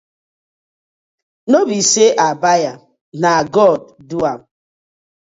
No bie say I bai am na god ded.